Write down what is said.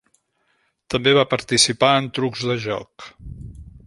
També va participar en trucs de joc.